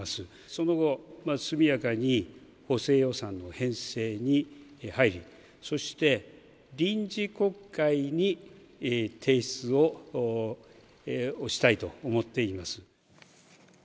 その後、速やかに補正予算の編成に入り、そして臨時国会に提出をしたいと思っています。